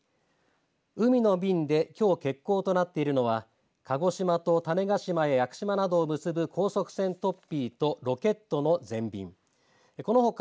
海の便できょう欠航となっているのは鹿児島と種子島や屋久島などを結ぶ高速船トッピーとロケットの全便このほか